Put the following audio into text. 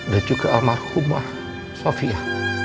dan juga almarhumah sofia